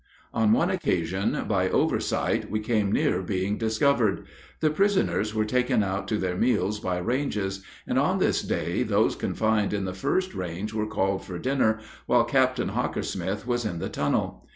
On one occasion, by oversight, we came near being discovered. The prisoners were taken out to their meals by ranges, and on this day those confined in the first range were called for dinner while Captain Hockersmith was in the tunnel.